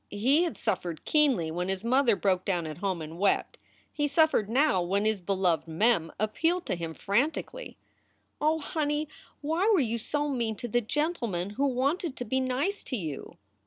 He had suffered keenly when his mother broke down at home and wept. He suffered now when his beloved Mem appealed to him frantically: "Oh, honey, why were you so mean to the gentleman who wanted to be nice to you?"